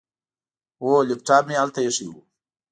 هو، لیپټاپ مې هلته ایښی و.